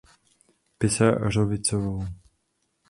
Pisařovicovou.